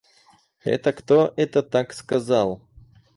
Это кто это так сказал?